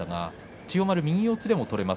千代丸、右四つでも取れます。